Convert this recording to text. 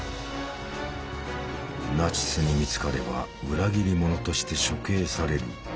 ナチスに見つかれば裏切り者として処刑される。